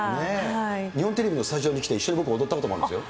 日本テレビのスタジオに来て一緒に僕、踊ったこともあるんですよ。